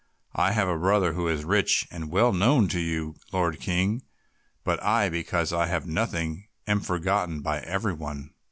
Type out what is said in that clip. I have a brother who is rich and well known to you, Lord King, but I, because I have nothing, am forgotten by every one."